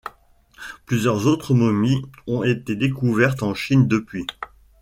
Plusieurs autres momies ont été découvertes en Chine depuis.